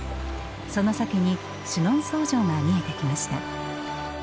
その先にシュノンソー城が見えてきました。